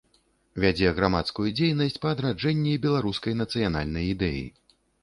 Вядзе грамадскую дзейнасць па адраджэнні беларускай нацыянальнай ідэі.